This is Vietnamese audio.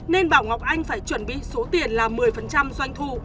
nên bảo ngọc anh phải chuẩn bị số tiền là một mươi doanh thu